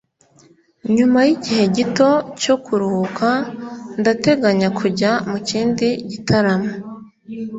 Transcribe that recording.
Nyuma yigihe gito cyo kuruhuka ndateganya kujya mu kindi gitaramo